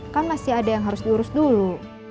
kan masih ada yang harus diurus dulu